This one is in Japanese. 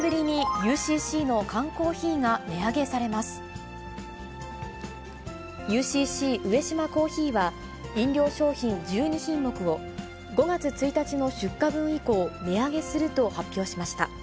ＵＣＣ上島珈琲は飲料商品１２品目を、５月１日の出荷分以降、値上げすると発表しました。